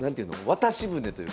渡し船というか。